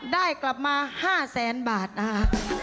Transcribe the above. ได้กลับมา๕แสนบาทนะคะ